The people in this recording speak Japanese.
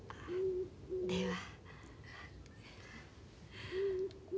では。